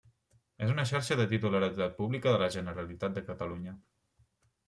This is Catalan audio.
És una xarxa de titularitat pública de la Generalitat de Catalunya.